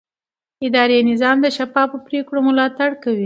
اداري نظام د شفافو پریکړو ملاتړ کوي.